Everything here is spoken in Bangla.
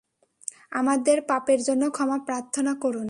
আমাদের পাপের জন্য ক্ষমা প্রার্থনা করুন।